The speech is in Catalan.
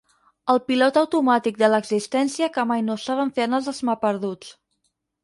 El pilot automàtic de l'existència que mai no saben fer anar els esmaperduts.